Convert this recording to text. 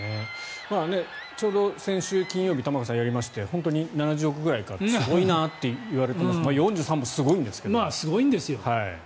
ちょうど先週金曜日玉川さん、やりまして本当に７０億くらいかすごいなといわれてましてすごいんですよ。